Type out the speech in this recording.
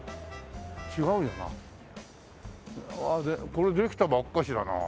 これできたばっかしだな。